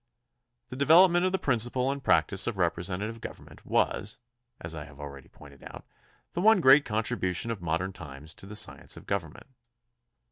The development of the prin ciple and practice of representative government was, as I have already pointed out, the one great contribu tion of modern times to the science of government.